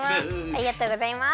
ありがとうございます。